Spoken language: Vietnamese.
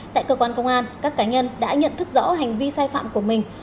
tại cơ quan công an các cá nhân đã nhận thức rõ hành vi sai phạm của mình